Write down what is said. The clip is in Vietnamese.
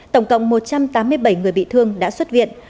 tổng cộng một trăm tám mươi bảy người bị thương đã xuất viện